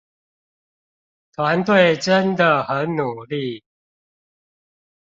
團隊真的很努力